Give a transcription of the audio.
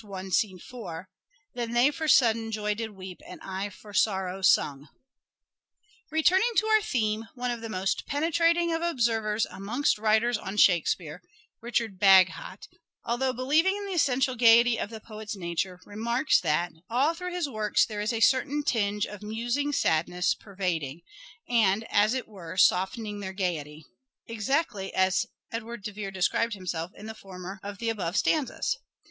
4) :—" Then they for sudden joy did weep And I for sorrow sung." Returning to our theme, one of the most penetrating of observers amongst writers on Shakespeare, Richard Bagehot, although believing in the essential gaiety of the poet's nature, remarks that "all through his works there is a certain tinge of musing sadness per vading, and as it were softening their gaiety," exactly as Edward de Vere described himself in the former of the above stanzas.